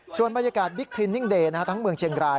ส่วนบรรยากาศบิ๊กคลินนิ่งเดย์ทั้งเมืองเชียงราย